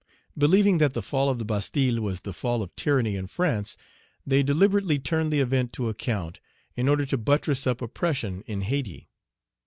Believing that the fall of the Bastille was the fall of tyranny in France, they deliberately turn the event to account in order to buttress up oppression in Hayti.